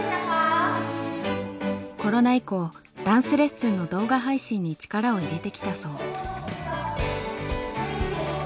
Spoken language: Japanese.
コロナ以降ダンスレッスンの動画配信に力を入れてきたそう。